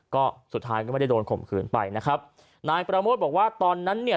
ก็สุดท้ายก็ไม่ได้โดนข่มขืนไปนะครับนายประโมทบอกว่าตอนนั้นเนี่ย